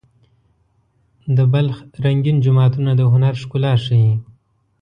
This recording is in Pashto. د بلخ رنګین جوماتونه د هنر ښکلا ښيي.